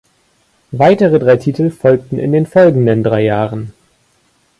Weitere drei Titel folgten in den folgenden drei Jahren.